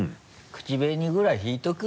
口紅ぐらい引いておく？